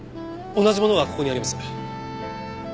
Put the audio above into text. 同じものがここにあります。